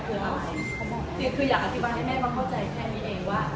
คืออยากอธิบายให้แม่เข้าใจแค่นี้เองว่า